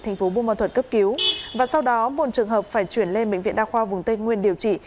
thành phố buôn ma thuật cấp cứu và sau đó một trường hợp phải chuyển lên bệnh viện đa khoa vùng tây nguyên điều trị